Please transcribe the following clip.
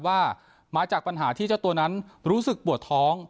ว่ามาจากปัญหาที่เจ้าตัวนั้นรู้สึกปวดท้อง